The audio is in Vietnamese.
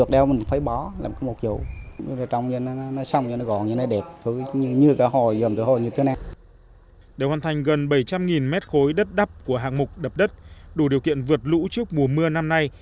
đều hoàn thành gần bảy trăm linh mét khối đất đắp của hạng mục đập đất đủ điều kiện vượt lũ trước mùa mưa năm nay